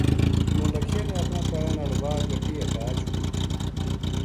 نو لکھیا نے اپنا پیراں ناڑ واہ گٹی ہٹا چھوڈی